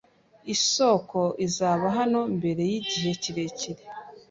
Isoko izaba hano mbere yigihe kirekire.